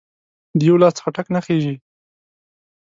د یو لاس څخه ټک نه خیژي